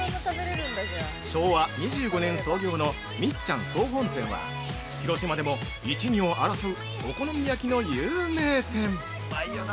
◆昭和２５年創業の「みっちゃん総本店」は広島でも１・２を争うお好み焼きの有名店。